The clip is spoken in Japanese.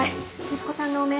息子さんの汚名